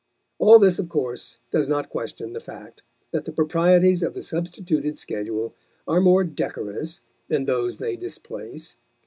All this of course does not question the fact that the proprieties of the substituted schedule are more decorous than those which they displace.